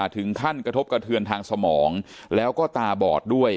กระทบกระเทือนทางสมองแล้วก็ตาบอดด้วย